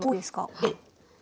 はい。